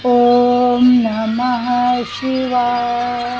โอมนามังชิวาย